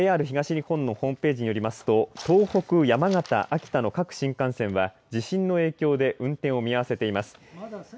ＪＲ東日本のホームページによりますと東北、山形、秋田の各新幹線は地震の影響で運転を見合わせています。